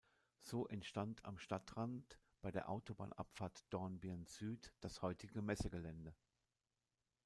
So entstand am Stadtrand bei der Autobahnabfahrt Dornbirn-Süd das heutige Messegelände.